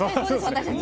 私たち。